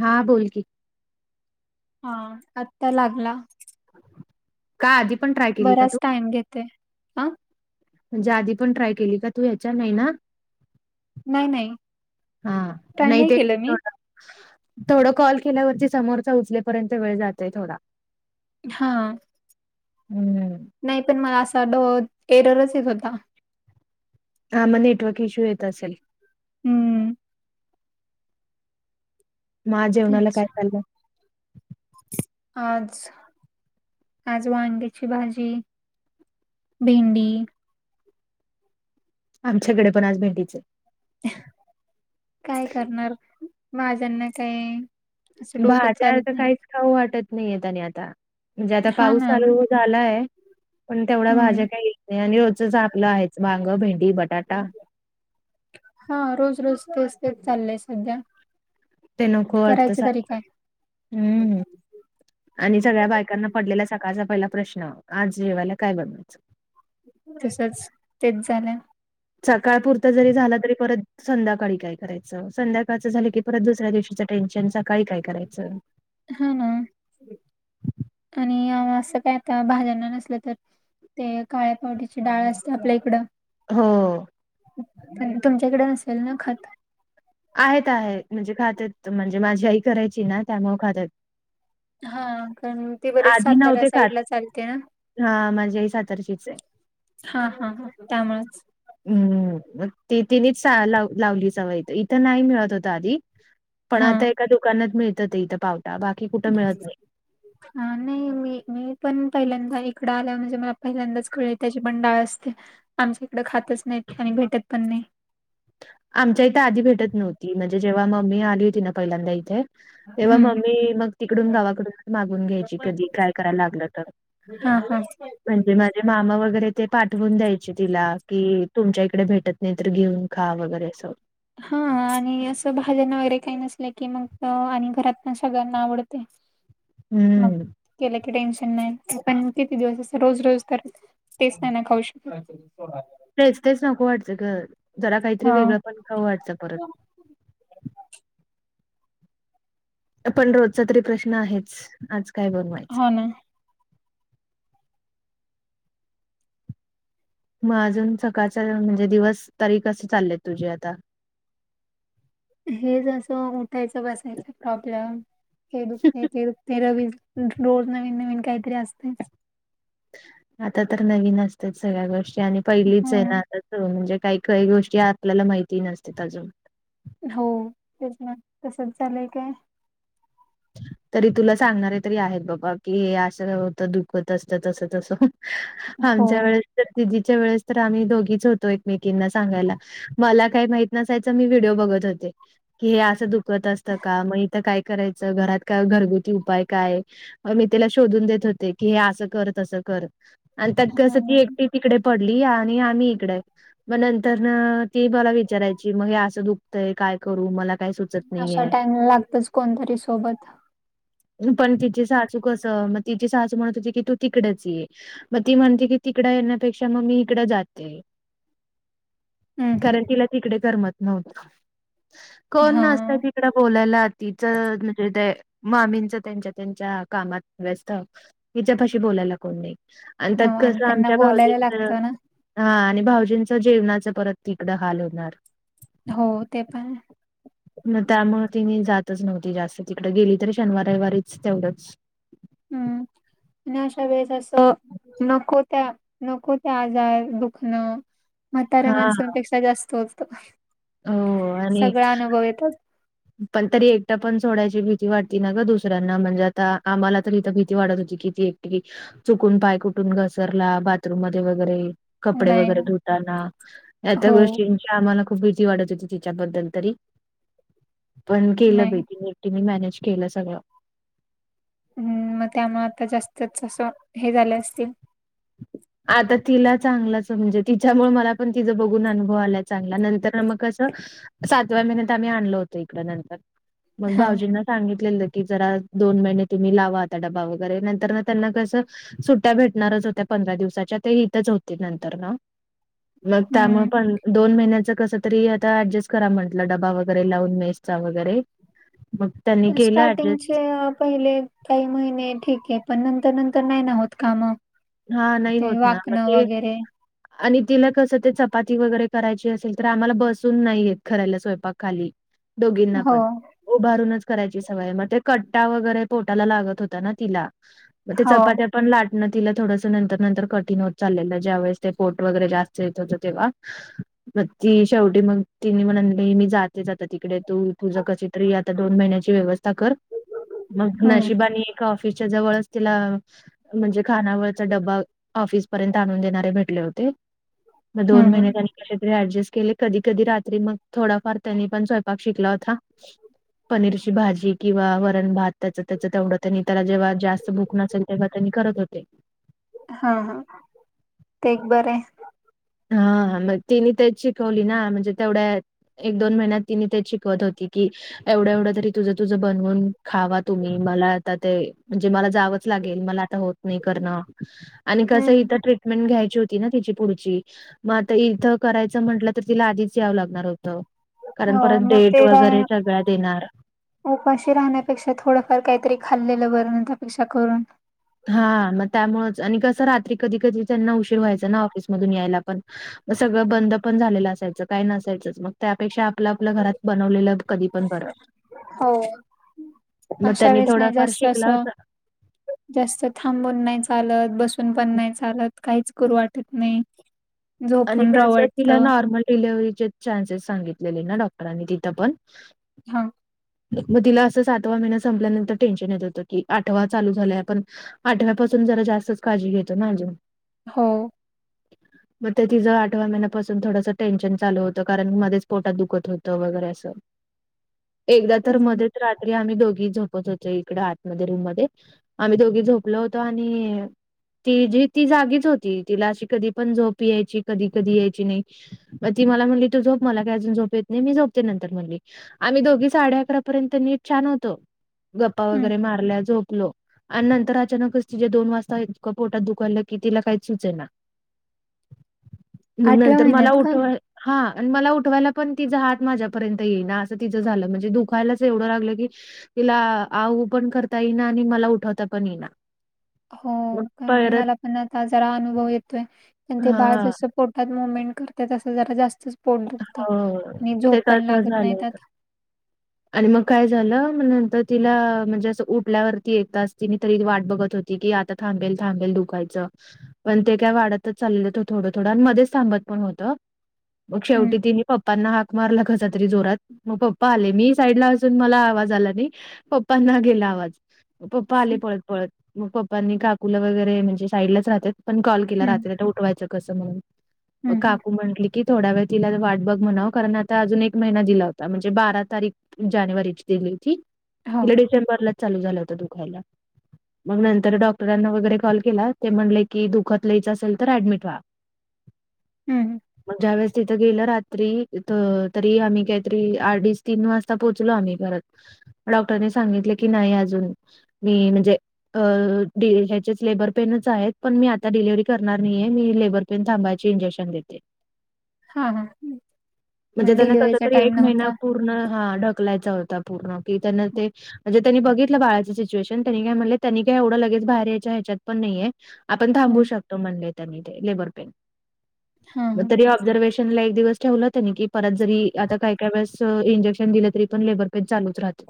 हा बोलकीी हा आत्ता लागला. का आधी पण ट्रय बराच टाईम घेते. हा म्हणजे आधी पण ट्राय केली का तू ह्याच्या नाही ना. नाही नाही हा ट्राय नाही ते केलं मी र. थोड कॉल केल्यावरती समोरचा उचलेपर्यंत वेळ जातय थोडा हा. हम्म. नाही पण मला असा एररच येत होता. हा मग नेटवर्क इश्यू येत असेल. हम्म. मा जेवणाला तेच काय चाललंय. आज आज वांग्याची भाजी भेंडी आमच्याकडे पण आज भेंीचे काय करणार माझ्यांना काय? असं बा डोकं चालत त्याता नाही काय? खऊ वाटत नाहीय त्यानी आता म्हणजे आता हा पाऊस ना चालू झालाय. पण तेवढ्या हम्म भाज्या काही येत नाही आणि रचच आपलं आहेच भांग भेंडी बटाटा हा रोज रोज तेच तेच चाललंय सध्या ते न खो वाटत करायचं तरी काय हम्म. आणि सगळ्या बायकांना पडलेला सकाळचा पहिला प्रश्न आज जेवायला काय बनवायचं. तसच तेच झालं. सकाळ पुरता जरी झाला तरी परत संध्याकाळी काय करायचं संध्याकाळचं झालं की परत दुसऱ्या दिवशीचं टेन्शन सकाळी काय करायचं. हा ना आणि असं काय आता भाज्यांना नसलं तर ते काळे्या पावटीची डाळ असते आपल्या इकडं. हो. पण तुमच्याकडे नसेल ना खत. आहेत आहेत म्हणजे खातात म्हणजे माझी आई करायची ना त्यामु खातात. हा कारण ते बरेच आधी साताऱ्या नव्हते खात साईड ला चालते ना. हा माझ्या ह सातर्शीच आहे. हा हा हा त्यामुळेच हम्मग तेनेच लाव लावलीचवं इथ इथं नाही मिळत होत आधी पण हा. आता एका दुकानात मिळतात इथं पावटा बाकी कुठं मिळत नाही. हा नाही मी मी पण पहिल्यांदा इकडं आल्या म्हणजे मला पहिल्यांदाच कळे त्याची पण डाळ असते आमच्या इकडे खातच नाही आणि भेटत पण नाही. आमच्या इथे आधी भेटत नव्हती म्हणजे जेव्हा मम्मी आली होती ना पहिल्यांदा इथे तेव्हा हम्म मम्मी मग तिकडून गावाकडून मागून घ्यायची कधी काय करायला लागलं तर हा हा. म्हणजे माझे मामा वगैरे ते पाठवून द्यायचे तिला कि तुमच्या इकडे भेटत नाही तर घेऊन घा वगैरे असं. हा आणि असं भाजन वगैरे काही नसले की मग आणि घरात ना सगळ्यांना आवडते. [unintelligible] हम्म. केलं की टेन्शन नाही पण किती दिवस रोज रोज तर तेस् ना ना खाऊ श तेच तेच नको वाटचं जरा काहीतरी हा वेगळं पण खावं वाटचं परत पण रोजचा तरी प्रश्न आहेच आज काय बोलणार. हो ना. मग अजून सकाळचा म्हणजे दिवस तरी कसे चालले तुझे आता हेच असं उठायचं बसायच प्रॉब्लेम हे दुखते ते दुखते रवी रोज नवीन नवीन काहीतरी असते. आता तर नवीन असत सगळ्या गोष्टी आणि पहिलीच आहे ना हम्म. आता म्हणजे काही काही गोष्टी आपल्याला माहिती नसते अजून हो त्याच तसच झालंय काय? तरी तुला सांगणारे तरी आहेत बाबा कि हे असं होत दुखत असत तस तस. हो आमच्या वेळेस तर तजीच्या वेळेस तर आम्ही दोघीच होतो एकमेकींना सांगायला. मला काही माहत नसायचं मी व्हिडिओ बघत होते. की हे असं दुखत असतं का, मग इथं काय करायचं, घरात. का घरगुती उपाय काय, मी त्याला शोधून देत होते, की हे असं कर, तसं कर. आणि त्यात कसं ती हम्म. एकटी तिकडे पडली, आणि आम्ही इकडे मग नंतर ना,, ती मला विचारायची मग हे असं दुखतंय काय करू, मला काय सुद. अशा टाइमला लागतच कोणतरी सोबत. पण तिची सासू कसं, मग तिची सासू म्हणत होती, की तू तिकडेच ये मग ती म्हणते की तिकड येण्यापेक्षा मग मी इकड जाते. हम्म हम्म कारण तिला तिकडे करमत नव्हत,, कोण नसतय हा. ती त बोलायला आऽ तिच म्हणजे ते मामींच त्यांच्या, त्यांच्या कामात व्यस्त,, हिच्यापाशी बोलायला कोण नाही. आणि त्यात हो कसं त्यांना आमच्या बोलायला भावजींच लागतं ना हा,, आणि भाऊजींच जेवणाच परत तिकडं हाल होणार. हो ते पण मग त्यामुळे ति जातच नव्हती जास्त तिकड गेली तररी शनिार रविवारीच तेवढंच. हम्म आणि अशा वेळेसं. नको त्या, नको त्या आजार, दुखणं. म्हाताऱ्या हा माण्सांपेक्षा जास्त होत,, हो आणि सगळा अनुभव येतच. पण तरी एकटा पण सोडायची भीती वाटती ना ग दुसऱ्यांना,, म्हणजे आता आम्हाला तर इथ भीती वाढत होती की एकट, चुकून पाय कुठून घसरला बाथरूम मध्ये वगैरे कपडे नाही ना वगैरे धुताना, या त्या हो गोष्टी आम्हाला खूप भीती वाटत होती तिच्याबद्दल तरी पण केलं नाही. बई तीने एकटीनी मॅनेज केलं सगळं हम्म, मग त्यामुळे आता जास्तच असं, हे झालं असतील. आता तिला चांगलंच म्हणजे, तिच्यामुळे मला पण तिचां बघून अनुभव आला चांगला,, नंतर मग कं सातव्या महिन्यात आम्ही आणलो होतो इकड, ळ नंतर मग हा भाऊजींना सांगितलेलं. की जरा दोन महिने तुम्ही लावा आता डबा वगैरे,, नंतर ना त्यांना कसं. सुट्ट्या भेटणारच होत्या पंधरा दिवस‌. त्याच, हीतच होती नंतरन, मग त्यामुळं हम्म. पन दोन महिन्याच कस तरी आता ऍडजस्ट करा म्हंटलं,, डबा वगैरे लावून मेस्चा वगैरे,, मग त्यांनी केलं ऍडजस्ट स्टार्टिंग े पहिले काही महिने ठीक आहे, पण नंतर, नंतर नाही ना होत कामं हा नाहीय होत ना,, म ते आणि तिला कसं ते चपाती वगैरे करायची असेल, तर आम्हाला बसून नाही येत करायला स्वयंपाक खाली. दोघींना हो पण. उभारूनच करायची सवय,, मग ते कट्टा वगैरे पोटाला लागत होता ना तिला. मग ते हो चपात्या पण लाटणं तिला थोडस नंतर, नंतर कठीण होत चाललेलं, ज्यावेेळेस ते पोट वगैरे जास्त येत होतं तेव्हा स मग ती शेवटी मग तिने म्हनली मी जातेच आता तिकडे, तू, तुझं कशी तरी आता दोन महिन्याची व्यवस्था कर,, मग हम्म नशिबानी आफीसच्या जवळच तिला, म्हणजे खाना चा डबा आफिस पर्यंत आणून देनारे भेटले होते, म दोन हम्म महिने कशे तरी अॅडजस्ट केले कधी, कधी रात्री, मग थोडाफार त्यांनी पण स्वयंपाक शिकला होता. पनीरची भाजी किंवा वरण भात,, त्याच त्याचं तेवढंच नाही त्याला जेव्हा जास्त भुक नसल. तेव्हा त्यांनी करत होते. हा, हा ते एक बरंय. हा, हा, मग तिने तेच शिकवली ना,, म्हणजे तेवढ्याऽ एक दोन महिन्यात तिने त्या शिकवत होती की एवढ्या एवढ्या तरी तुझं तुझं बनवून खावा तुम्ही,, मला आता ते म्हणजे मला जावंच लागेल, ळ मला आता होत. नाही करणं,, आणि कसं, हम्म इथ ट्रीटमेंट घ्यायची होती ना तिची पुढची मग आता इथं करायचं म्हटलं तर तिला आधीच यावं लागणार होतं. कारण हो परत मग डेट ते काय वगैरे सगळ्या देणारऽ उपाशी राहण्यापेक्षा थोडंफार काहीतरी खाल्लेलं बरं, न त्यापेक्षा करून. हा मग त्यामुळेच आणि कसं रात्री कधी कधी त्यांना उशीर व्हायचं ना ऑफिसमधून यायला पण सगळं बंद पण झालेलं असायचं काय नसायचंच मग त्यापेक्षा आपलं आपलं घरात बनवलेलं कधी पण बरं. हो मग अशा त्यांनी वेळेस नाही थोडाफार जास्त शिकला असं होता.. जास्त थांबून नाही चालत बसून पण नाही चालत काहीच कररू वाटत नाही. आणि झोपून राहावं कसं तिला वाटतं. नॉर्मल डिलिव्हरीचे चान्सेस सांगितलेले ना डॉक्टरांनी तिथं पण. हा.. मग तिला असं सातवा महिन संपल्यानंतर टेन्शन येत होतं की आठवा चालू झालाय पण.... आठव्यापासून जरा जास्तच काळी घेतो ना अजून. हो. मग ते तिचं आठवा महिन्यापासून थोडंसं टेनशन चालू होतं कारण मध्येच पोटात दुखत होतं वगैरे असं. [inaudible] एकदा तर हं, मध्येच रात्री आम्ही दोघी झोपत होतो इकडे आतमध्ये रूम मध्ये... आम्ही दोघी झोपलो होतो आणि.. ती जी ती जागीच होती तिला अशी कधी पण झोप यायची कधी कधी यायची नाही.. मग ती मला म्हणली तू झोप मला काय अजून झोप येत नाही मी झोपते नंतर म्हणली. आम्ही दोघी साडे अकरा पर्यंत नीट छान होतो गप्पा हं. वगैरे मारल्या झोपलो. आणि नंतर अचानकच तिे दोन वाजता पोटात दुकाालं की तिला काहीच सुचेल ना. मग नंतर मला महिन्यात का? उठवा... हा आणि मला उठवायला पण तिचा हात माझ्यापर्यंत येईना असं तिचं झालं म्हणजे दुखायलाच एवढं लागलं की.... तिला आऊ पण करता येईना आणि मला उठवता पण येईना. हो मग कारण परत मला पण आता जरा अनुभव येतोय कारण ते बाळ हां जस... पोटात मुवमेंट करते तसं जरा जास्तच पोट दुखत हो आणि ते झोप पण तसं लागत झालं नाही होतं. त्यात. आणि मग काय झालं म नंतर तिला म्हणजे असं उठल्यावरती एक तच तिने तरी वाट बघत होती की आता... थांबेल थांबेल दुखायचं... पण ते काय वाढतच चाललं होत थोडं थोडं आणि मध्येच थांबत पण होतं. मग हं. शेवटी तिने पप्पांना हाक मारला कसा तरी जोरात मग पप्पा आले मीच... साईड ला असून मला आवाज आला नाही पप्पांना गेला आवाज पप्पा आले हं, पळत पळत. मग पप्पांनी काकूला वगैरे म्हणजे साईडलाच राहतात पण कॉल केला हं, रात्रीला उठवायचं कसं म्हणून. मग हं, हं. काकू म्हटली की... थोडा वेळ तिला वाट बघ म्हणाव कारण आता अजून एक महिना दिला होता म्हणजे बारा तारीख... जानेवारीची दिली होती हो. तीला डिसेंबरलाच चालू झाला होत दुखायला. मग नंतर डॉक्टरांना वगैरे कॉल केला ते म्हणले की दुखात लियचं असेल तर ऍडमिट व्हा. [unintelligible] हं. मग ज्यावेळेस तिथ गेलं रात्री तरी आम्ही काहीतरी अडीच तीन वाज.. पोचलो आम्ही घरात डॉक्टरनी सांगितले की नाही अजून मी म्हणजे.... अ ह्याचेच लेबर पेनच आहेत पण मी आता डिलिवरी करणार नाही आहेे मी लेबर... थांबायाची इंजेक्शन देते. हां, हां. हं. म्हणजे मग त्यांना कस डिलिव्हरीचा तरी टाईम एक महिना नव्हता. पूर्ण.... हा ढकलायचा होता पूर्ण कि त्यांना ते... म्हणजे त्यांनी बघितलं बाळाची सिच्युएशन त्यांनी काय म्हटले त्यांनी काय एवढं लगेच बाहेर यायच्या ह्याच्यात पण नाहीये आपण थांबू हं. शकतो म्हणले त्यांनी ते लेबर पेन. हां, हां. ऑब्झर्वेशनला एक दिवस ठेवलं की परत जरी आता काय काय वेळेंस इंजेक्शन... इंजेक्शन दिलं तरी पन लेबर पेन चालूच रात.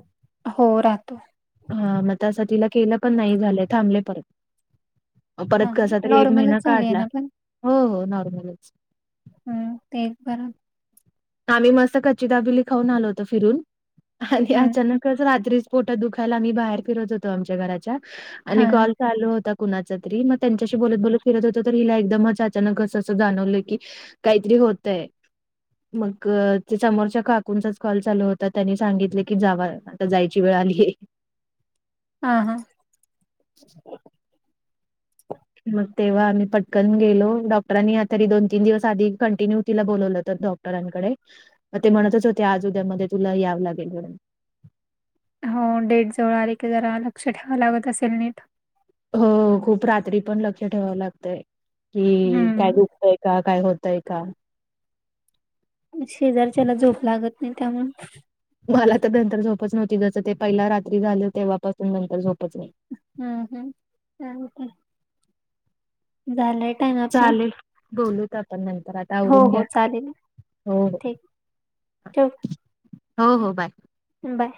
हो राहतो हा मग तं तिला केलं पण नाही झालं थांबले परत. परत हां, हां. कसा तरी एक महिना नॉर्मलच झाली आहे काढला ना पण? हो हो नॉर्मलच हम्म तेच बरब आम्ही मस्त कच्ची दाबिली खाऊन आलो होतो फिरून आणि हं. अचानकच रात्री खोटं दुखायला आम्ही बाहेर फिरत होतो आमच्या घराच्या आणि हां, हां. कॉल चालू होता कुणाचा तरी मग त्यांच्याशी बोलत बोलत फिरत होत तर हिला एकदमच अचानक असं असं जाणवलं की. काहीतरी होतय. मग त्या समोरच्या काकूंचाच कॉल चालू होता त्यांनी सांगितले की जावा. आता जायची वेळ आलीय. हां हां. मग तेव्हा आम्ही पटकन गेलो डॉक्टरांनी आ तरी दोन तीन दिवस आधी कंटिन्यू तिला बोलवलं तर डॉक् डॉक्टरांकडे म ते म्हणतच होते आज उद्या म तुला यावं लागेल. हो डेट जवळ आली की जरा लक्ष ठेवाव लागत असेल नीट हो खूप रात्री पण लक्ष ठेवावं लागतय की काय हं. दुखतय का काय. य का [inaudible] शेजारच्याला झोप लागत नाही त्यामुळे. मला तर नंतर झोपच नव्हती जसं ते पहिला रात्री झालं तेव्हापासून नंतर झोपच नाही. हम्म हम्म काय होतंय. झालंय टाइम आप ना. चालेल बोलूत आपण नंतर आ आवरून घ्या हो चालेल हो हो ठीक ठेवू हो हो बाय. बाय.